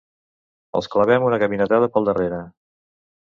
Els clavem una ganivetada per darrere.